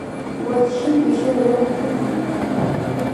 وحشي پیشو ونې ته خېژي.